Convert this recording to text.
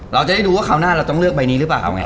เราจะได้ดูว่าคราวหน้าเราต้องเลือกใบนี้หรือเปล่าเอาไง